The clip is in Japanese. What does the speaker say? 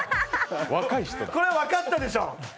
これ、分かったでしょ！